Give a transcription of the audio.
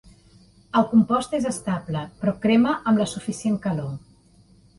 El compost és estable, però crema amb la suficient calor.